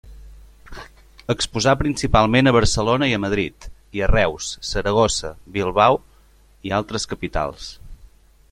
Exposà principalment a Barcelona i a Madrid, i a Reus, Saragossa, Bilbao, i altres capitals.